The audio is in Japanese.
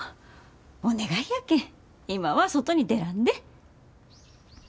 お願いやけん今は外に出らんで。